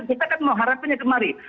kita kan mau harapannya kemari